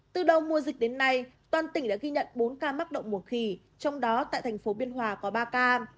từ đầu mùa dịch đến nay toàn tỉnh đã ghi nhận bốn ca mắc động mùa khỉ trong đó tại thành phố biên hòa có ba ca